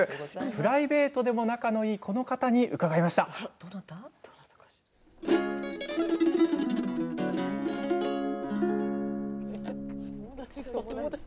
プライベートでも仲のいいこの方に伺いました。